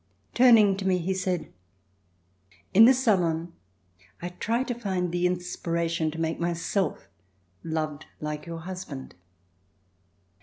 Turning to me he said: "In this salon I try to find the inspiration to make myself loved like your husband."